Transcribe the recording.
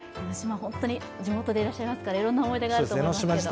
江の島、地元でいらっしゃいますからいろんな思い出があると思いますけれども。